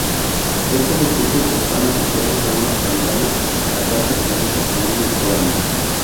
Estos recursos están asociados a una pantalla, la cual pertenece a un usuario.